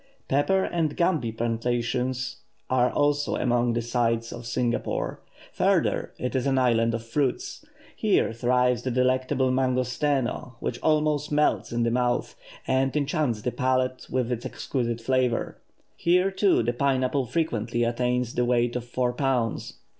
Pepper and gambie plantations are also among the sights of Singapore. Further, it is an island of fruits. Here thrives the delectable mangosteno, which almost melts in the mouth, and enchants the palate with its exquisite flavour. Here, too, the pine apple frequently attains the weight of four pounds.